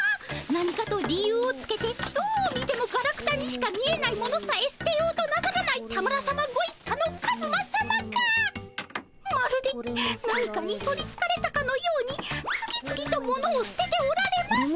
何かと理由をつけてどう見てもガラクタにしか見えない物さえ捨てようとなさらない田村さまご一家のカズマさまがまるで何かに取りつかれたかのように次々と物を捨てておられます。